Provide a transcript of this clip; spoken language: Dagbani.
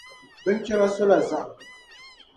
Binchɛra sola zaɣim.